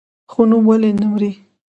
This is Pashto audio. ښه نوم ولې نه مري؟